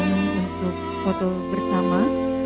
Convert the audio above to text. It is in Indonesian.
dan untuk foto bersama